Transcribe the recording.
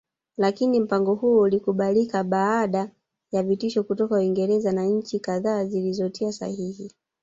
lakini mpango huu ulikubalika baada ya vitisho kutoka Uingereza na nchi kadha zilizotia sahihi